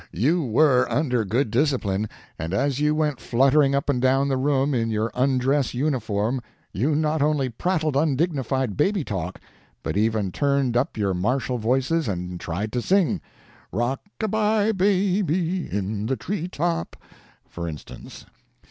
you were under good dis cipline, and as you went fluttering up and down the room in your undress uniform, you not only prattled undignified baby talk, but even tuned up your martial voices and tried to sing! — Rock a by Baby in the Tree top, for instance.